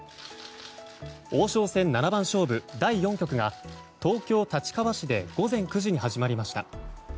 王将戦七番勝負第４局が東京・立川市で午前９時に始まりました。